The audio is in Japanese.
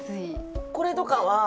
これとかは。